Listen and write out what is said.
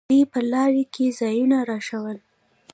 دوى په لاره کښې ځايونه راښوول.